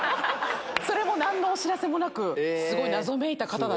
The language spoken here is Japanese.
それも何のお知らせもなく。